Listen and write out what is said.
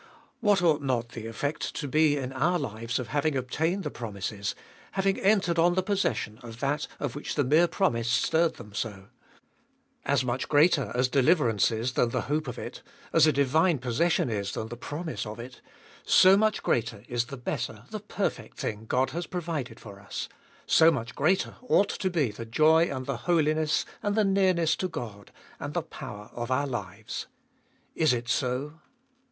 What ought not the effect to be in our lives of having obtained the promises, having entered on the possession of that of which the mere promise stirred them so ? As much greater as deliverance is than the hope of it, as a divine possession is than the promise of it, so much greater is the better, the perfect thing God has provided for us, so much greater ought to be the joy and the holiness and the nearness to God, and the power of our lives. Is it so